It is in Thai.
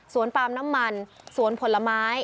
ปาล์มน้ำมันสวนผลไม้